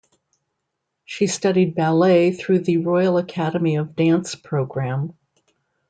She studied ballet through the Royal Academy of Dance programme.